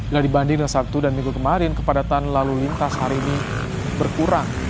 dan dibandingkan sabtu dan minggu kemarin kepadatan lalu lintas hari ini berkurang